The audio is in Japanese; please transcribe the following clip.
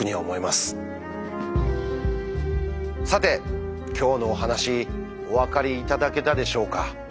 さて今日のお話お分かりいただけたでしょうか？